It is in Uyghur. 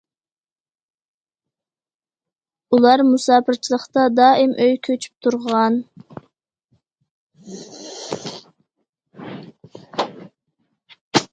ئۇلار مۇساپىرچىلىقتا دائىم ئۆي كۆچۈپ تۇرغان.